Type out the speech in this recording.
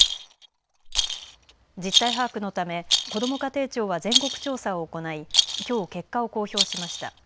実態把握のためこども家庭庁は全国調査を行いきょう、結果を公表しました。